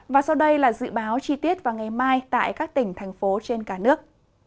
và sau đây là dự báo chi tiết vào ngày mai tại các tỉnh thành phố trên cả nước